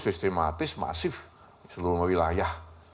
sistematis masif seluruh wilayah